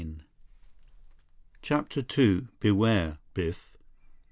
8 CHAPTER II Beware, Biff!